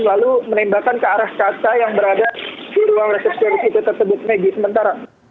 lalu menembakkan ke arah kaca yang berada di ruang resepsionis itu tersebut megi sementara